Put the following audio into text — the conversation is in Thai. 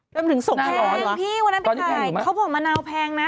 จนถึงส่งแพงพี่วันนั้นไปถ่ายเขาบอกมะนาวแพงนะ